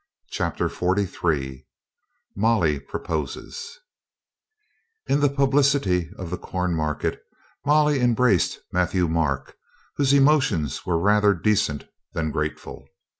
CHAPTER FORTY THREE MOLLY PROPOSES T N the publicity of the Cornmarket Molly em ^ braced Matthieu Marc, whose emotions were rather decent than grateful.